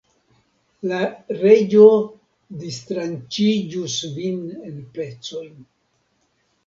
La Reĝo distranĉigus vin en pecojn.